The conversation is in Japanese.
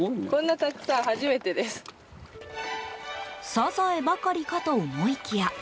サザエばかりかと思いきや